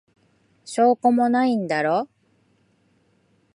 証拠もないんだろ。